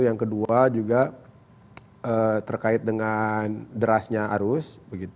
yang kedua juga terkait dengan derasnya arus